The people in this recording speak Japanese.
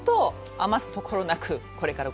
余すところなく？